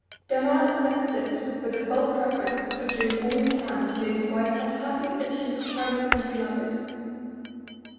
Bernard accepts it with the full purpose of doing all he can to make his wife as happy as she is charming and beloved.